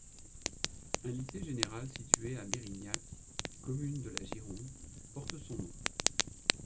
Un lycée général situé à Mérignac, commune de la Gironde, porte son nom.